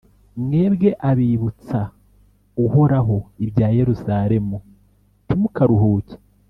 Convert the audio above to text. «mwebwe, abibutsa uhoraho ibya yeruzalemu, ntimukaruhuke!